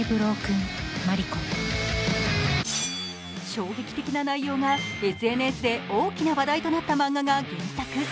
衝撃的な内容がＳＮＳで大きな話題となった漫画が原作。